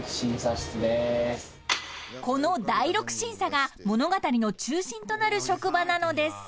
［この第六審査が物語の中心となる職場なのです］